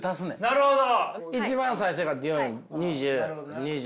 なるほど。